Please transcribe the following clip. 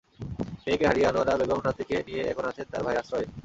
মেয়েকে হারিয়ে আনোয়ারা বেগম নাতনিকে নিয়ে এখন আছেন তাঁর ভাইয়ের আশ্রয়ে।